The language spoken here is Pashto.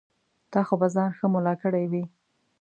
تا خو به ځان ښه ملا کړی وي.